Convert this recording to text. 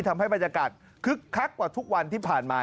ทำให้บรรยากาศคึกคักกว่าทุกวันที่ผ่านมา